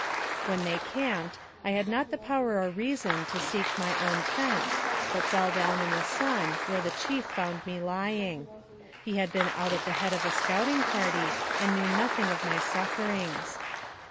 When they camped, I had not the power or reason to seek my own tent, but fell down in the sun, where the chief found me lying. He had been out at the head of a scouting party, and knew nothing of my sufferings.